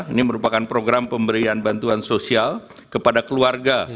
ini merupakan program pemberian bantuan sosial kepada keluarga